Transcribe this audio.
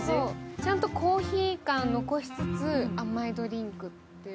ちゃんとコーヒー感を残しつつ甘いドリンクっていう。